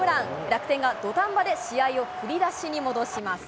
楽天が土壇場で試合を振り出しに戻します。